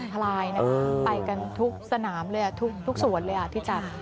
ไปกันทุกสนามเลยอ่ะทุกสวนเลยอ่ะที่จัด